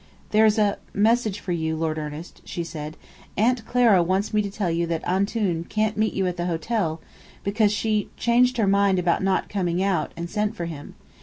"There's a message for you, Lord Ernest," she said. "Aunt Clara wants me to tell you that 'Antoun' can't meet you at the hotel, because she changed her mind about not coming out, and sent for him.